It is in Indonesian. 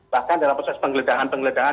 bahkan dalam proses penggeledahan